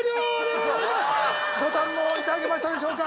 ご堪能いただけましたでしょうか？